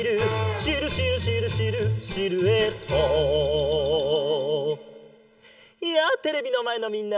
「シルシルシルシルシルエット」やあテレビのまえのみんな！